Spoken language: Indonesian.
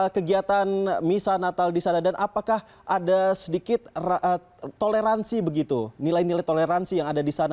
kegiatan misa natal di sana dan apakah ada sedikit toleransi begitu nilai nilai toleransi yang ada di sana